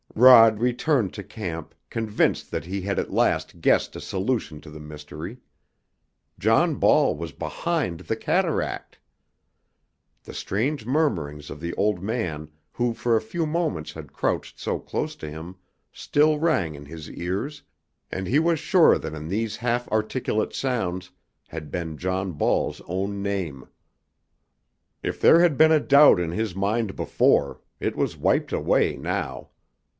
Rod returned to camp, convinced that he had at last guessed a solution to the mystery. John Ball was behind the cataract! The strange murmurings of the old man who for a few moments had crouched so close to him still rang in his ears, and he was sure that in these half articulate sounds had been John Ball's own name. If there had been a doubt in his mind before, it was wiped away now.